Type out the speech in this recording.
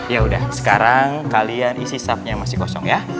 yaudah sekarang kalian isi sabnya yang masih kosong ya